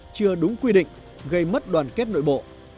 chưa đúng quy định gây mất đoàn kết nội bộ